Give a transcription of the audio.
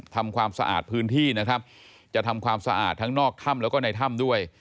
ทำความสะอาดพื้นที่นะครับจะทำความสะอาดทั้งนอกถ้ำแล้วก็ในถ้ำด้วย